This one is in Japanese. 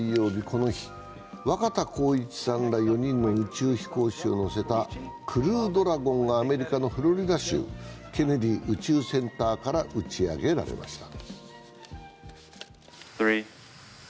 この日、若田光一さんら４人の宇宙飛行士を乗せた「クルードラゴン」がアメリカ・フロリダ州ケネディ宇宙センターから打ち上げられました。